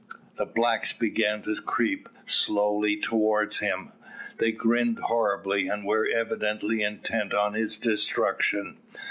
The blacks began to creep slowly towards him. They grinned horribly, and were evidently intent on his destruction.